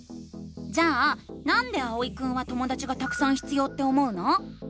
じゃあ「なんで」あおいくんはともだちがたくさん必要って思うの？